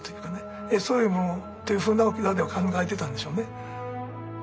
そういうものというふうな沖縄では考えてたんでしょうね。